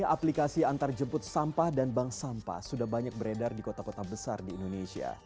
aplikasi antarjemput sampah dan bank sampah sudah banyak beredar di kota kota besar di indonesia